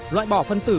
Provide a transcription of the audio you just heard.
loại bỏ phân tử